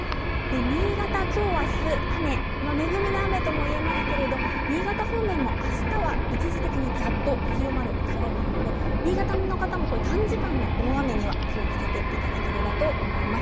新潟、今日明日、雨恵みの雨とも言えますけれども新潟方面も、あしたは一時的にざっと強まるおそれもあるので新潟の方も短時間の大雨には気をつけていただければと思います。